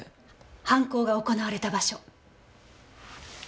犯行が行われた場所。